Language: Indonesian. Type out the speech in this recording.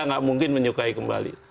tidak mungkin menyukai kembali